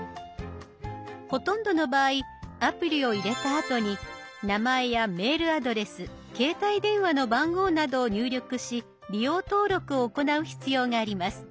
ほとんどの場合アプリを入れたあとに名前やメールアドレス携帯電話の番号などを入力し利用登録を行う必要があります。